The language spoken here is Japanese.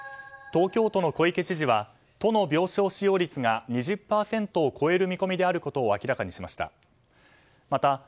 東京都の小池知事は都の病床使用率が２０％を超える見込みであることを明らかにしました。